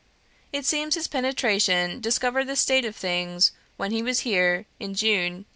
It seems his penetration discovered the state of things when he was here in June 1853."